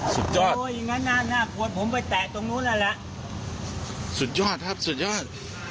สุดยอดสุดยอดครับสุดยอด